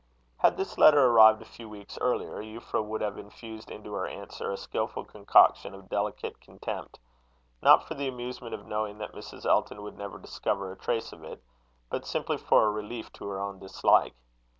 Had this letter arrived a few weeks earlier, Euphra would have infused into her answer a skilful concoction of delicate contempt; not for the amusement of knowing that Mrs. Elton would never discover a trace of it, but simply for a relief to her own dislike.